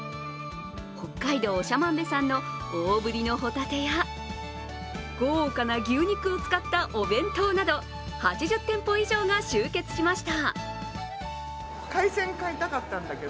北海道長万部産の大ぶりのホタテや豪華な牛肉を使ったお弁当など８０店舗以上が集結しました。